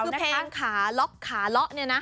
คือเพลงขาล็อกขาล็อกเนี่ยนะ